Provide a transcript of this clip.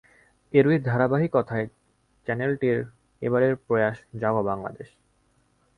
এরই ধারাবাহিকতায় চ্যানেলটির এবারের প্রয়াস জাগো বাংলাদেশ।